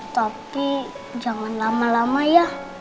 tapi jangan lama lama ya